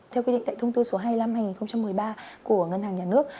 theo quy định tại thông tư số hai mươi năm hai nghìn một mươi ba của ngân hàng nhà nước